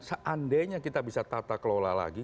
seandainya kita bisa tata kelola lagi